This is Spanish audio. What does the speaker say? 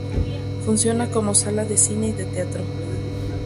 Funciona como sala de cine y de teatro.